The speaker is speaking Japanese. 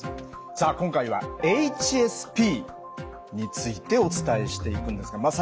さあ今回はＨＳＰについてお伝えしていくんですがまあ